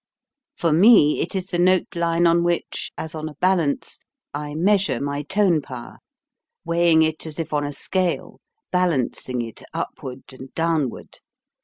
For me it is the note line on which, as on a balance, I measure my tone power, weighing it as if on a scale, balancing it upward and downward.